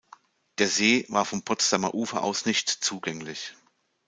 Der See war vom Potsdamer Ufer aus nicht zugänglich.